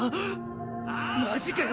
マジかよ